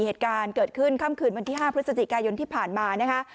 เหตุการณ์เกิดขึ้นค่ำคืนวันที่๕พฤศจิกายนที่ผ่านมานะคะ